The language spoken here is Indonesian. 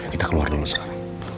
kita keluar dulu sekarang